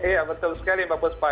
iya betul sekali mbak puspa